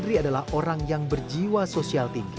negeri adalah orang yang berjiwa sosial tinggi